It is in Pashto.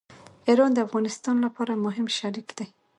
ایران د افغانستان لپاره مهم شریک دی.